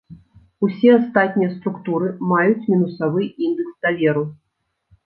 Усе астатнія структуры маюць мінусавы індэкс даверу.